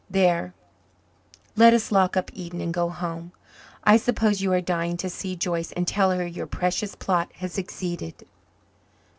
There let us lock up Eden and go home. I suppose you are dying to see Joyce and tell her your precious plot has succeeded."